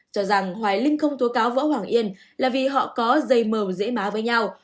cho rằng hoài linh không tố cáo võ hoàng yên là vì họ có dây mờ dễ má với nhau